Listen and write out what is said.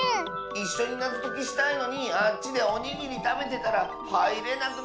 いっしょになぞときしたいのにあっちでおにぎりたべてたらはいれなくなっちゃったよ。